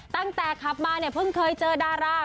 ตั้งแต่ครับมาเพิ่งเคยเจอดารา